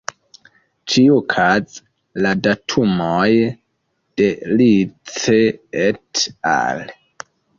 Ĉiukaze, la datumoj de Rice "et al.